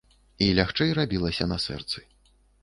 І лягчэй рабілася на сэрцы.